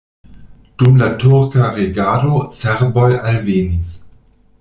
Dum la turka regado serboj alvenis.